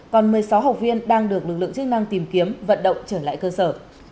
còn một mươi sáu học viên đang được lực lượng chức năng tìm kiếm vận động trở lại cơ sở